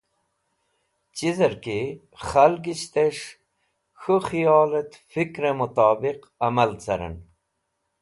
Chizerki Khalgisht es̃h k̃hu Khiyol et Fikre Mutobiq Amal Caren.